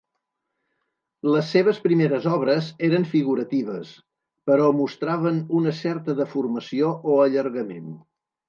Les seves primeres obres eren figuratives però mostraven una certa deformació o allargament.